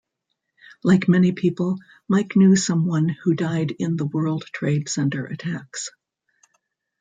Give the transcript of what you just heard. Like many people, Mike knew someone who died in the World Trade Center attacks.